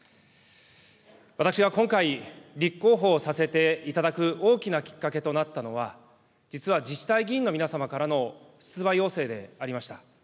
私は今回、立候補をさせていただく大きなきっかけとなったのは、実は自治体議員の皆様からの出馬要請でありました。